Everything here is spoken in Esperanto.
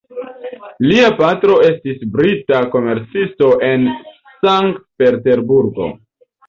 Lia patro estis brita komercisto en Sankt-Peterburgo.